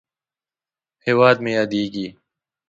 هېواد مې یادیږې!